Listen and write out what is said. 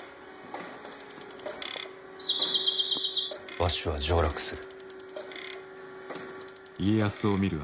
わしは上洛する。